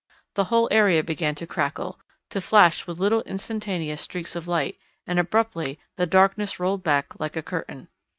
The whole area began to crackle, to flash with little instantaneous streaks of light, and abruptly the darkness rolled back like a curtain.